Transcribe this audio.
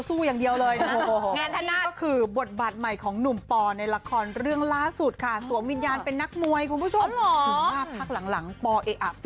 แต่อย่าคิดลึกไปกลายไม่ต้องคุยแบบแซ่บ